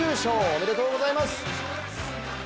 おめでとうございます。